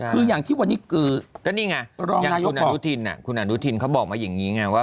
คืออย่างที่วันนี้คือรองนายบอกคุณอนุทินเขาบอกมาอย่างนี้ไงว่า